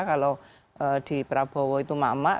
kalau di prabowo itu emak emak